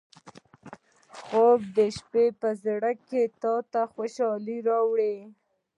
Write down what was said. خوب د شپه زړګي ته خوشالي راوړي